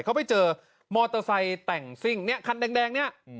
เขาไปเจอมอเตอร์ไซค์แต่งซิ่งเนี่ยคันแดงเนี่ย